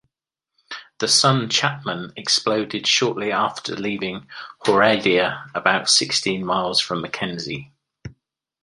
The "Sun Chapman" exploded shortly after leaving Horadia about sixteen miles from Mackenzie.